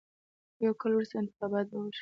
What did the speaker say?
یو کال وروسته انتخابات به وشي.